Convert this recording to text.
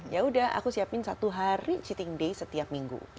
ya udah aku siapin satu hari cheating day setiap minggu